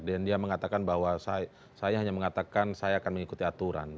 dan dia mengatakan bahwa saya hanya mengatakan saya akan mengikuti aturan